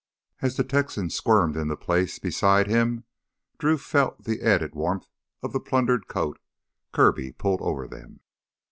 As the Texan squirmed into place beside him Drew felt the added warmth of the plundered coat Kirby pulled over them.